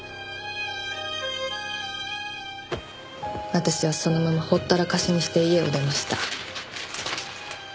私はそのままほったらかしにして家を出ました。